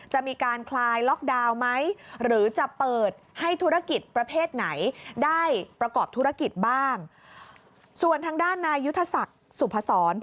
จะมีการ